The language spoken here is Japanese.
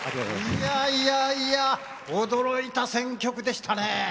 いやいやいや驚いた選曲でしたね。